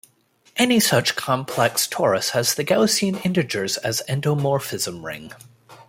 Any such complex torus has the Gaussian integers as endomorphism ring.